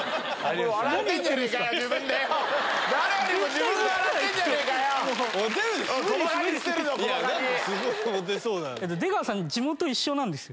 何かすごいモテそうな。